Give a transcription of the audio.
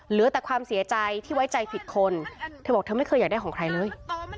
เหลือแต่ความเสียใจที่ไว้ใจผิดคนเธอบอกเธอไม่เคยอยากได้ของใครเลย